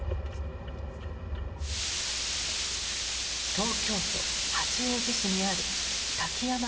東京都八王子市にある滝山病院です。